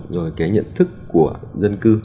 rồi cái nhận thức của dân cư